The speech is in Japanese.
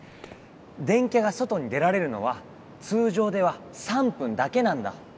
電キャが外に出られるのは通常では３分だけなんだ。